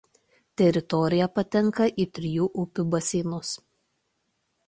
Teritorija patenka į trijų upių baseinus.